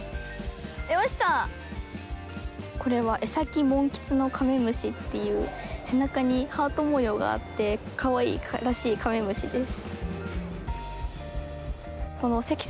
エサキモンツキノカメムシっていう、背中にハート模様があって、かわいらしいカメムシです。